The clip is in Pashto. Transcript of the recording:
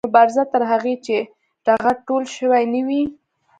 مبارزه تر هغې چې ټغر ټول شوی نه وي